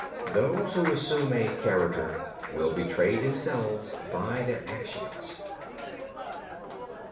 They who assume a character will betray themselves by their actions.